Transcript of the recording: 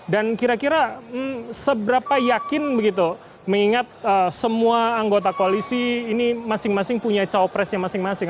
dan kira kira seberapa yakin begitu mengingat semua anggota koalisi ini masing masing punya cawapresnya masing masing